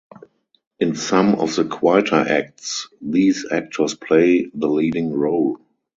In some of the quieter acts these actors play the leading role.